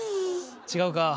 違うか。